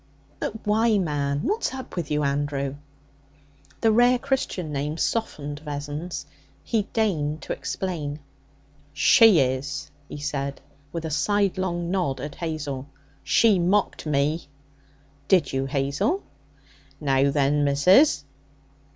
'But why, man? What's up with you, Andrew?' The rare Christian name softened Vessons. He deigned to explain. 'She is,' he said, with a sidelong nod at Hazel. 'She mocked me.' 'Did you, Hazel?' 'Now then, missus!'